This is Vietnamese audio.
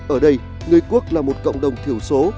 ở đây người quốc là một cộng đồng thiểu số